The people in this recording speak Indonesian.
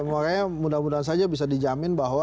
makanya mudah mudahan saja bisa dijamin bahwa